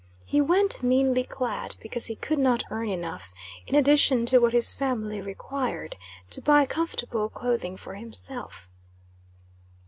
He went meanly clad, because he could not earn enough, in addition to what his family required, to buy comfortable clothing for himself.